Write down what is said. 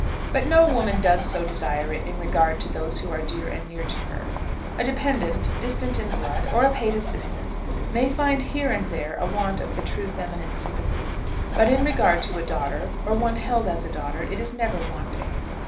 But no woman does so desire in regard to those who are dear and near to her. A dependant, distant in blood, or a paid assistant, may find here and there a want of the true feminine sympathy; but in regard to a daughter, or one held as a daughter, it is never wanting.